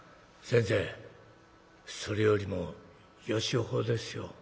「先生それよりもよしほうですよ」。